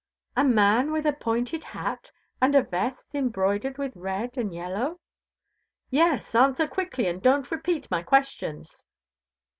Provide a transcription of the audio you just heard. "A man with a pointed hat, and a vest embroidered with red and yellow?" "Yes, answer quickly, and don't repeat my questions?"